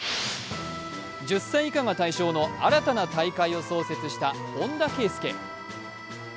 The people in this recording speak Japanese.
１０歳以下が対象の新たな大会を創設した本田圭佑。